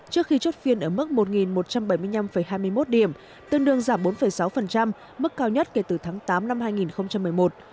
trước khi chốt phiên ở mức một một trăm bảy mươi năm hai mươi một điểm tương đương giảm bốn sáu mức cao nhất kể từ tháng tám năm hai nghìn một mươi một